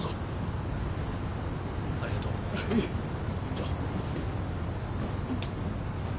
じゃあ。